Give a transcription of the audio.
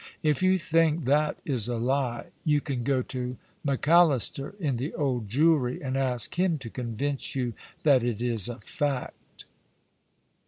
If you think that is a lie you can go to MacAllister, in the Old Jewry, and ask him to convince you that it is a fact."